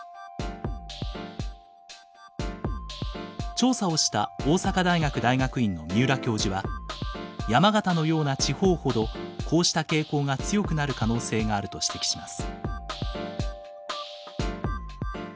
調査をした大阪大学大学院の三浦教授は山形のような地方ほどこうした傾向が強くなる可能性があると指摘します。